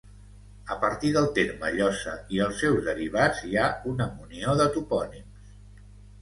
A partir del terme llosa i els seus derivats hi ha una munió de topònims.